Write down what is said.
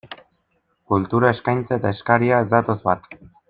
Kultura eskaintza eta eskaria ez datoz bat.